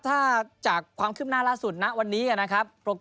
สวัสดีครับ